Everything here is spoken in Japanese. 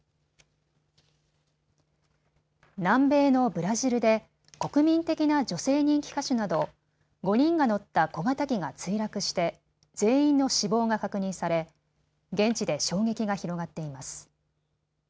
南米のブラジルで国民的な女性人気歌手など５人が乗った小型機が墜落して全員の死亡が確認され現地で衝撃が広がっています。